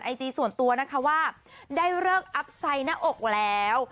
จีส่วนตัวนะคะว่าได้เลิกอัพไซหน้าอกแล้ว